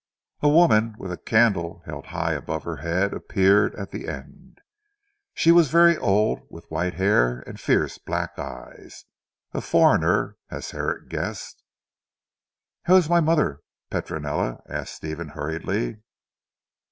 A woman with a candle held high above her head appeared at the end. She was very old, with white hair and fierce black eyes, a foreigner, as Herrick guessed. "How is my mother, Petronella?" asked Stephen hurriedly.